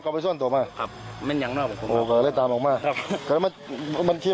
กลับไปส่วนตัวมาครับมันยังไม่รอบตามออกมาครับมันที่